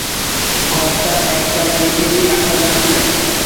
ঘরটা একবার দেখেই আসা যাক-না।